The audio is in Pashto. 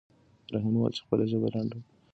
رحیم وویل چې خپله ژبه لنډه کړه.